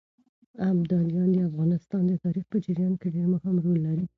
ابداليان د افغانستان د تاريخ په جريان کې ډېر مهم رول لري.